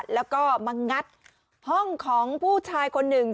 แล้วก็มางัดห้องของผู้ชายคนหนึ่ง